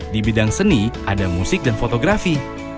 di bidang seni ada musik dan fotografi